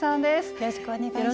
よろしくお願いします。